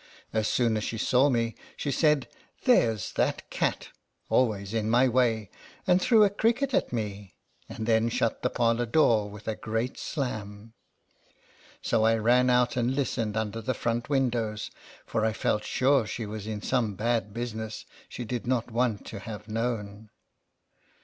As soon as she saw me, she said, " There 's that cat ! Always in my way/' and threw a cricket at me, and then shut the parlor door with a great slam. So I ran out LETTERS FROM A CAT. 37 and listened under the front win dows, for I felt sure she was in some bad business she did not want to have known.